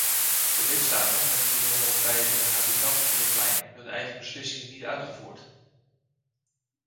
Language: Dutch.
De lidstaten hebben bijvoorbeeld bij de habitatrichtlijn hun eigen beslissingen niet uitgevoerd.